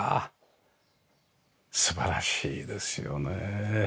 素晴らしいですよね。